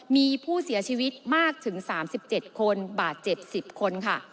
มีผู้เสียชีวิตมากถึง๓๗คนบาดเจ็บ๑๐คนค่ะ